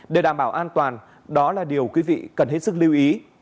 để đảm bảo an toàn đó là điều quý vị cần hết sức lưu ý